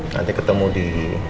nanti ketemu di